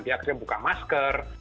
dia harus buka masker